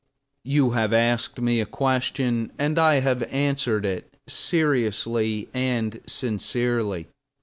You have asked me a question, and I have answered it seriously and sincerely.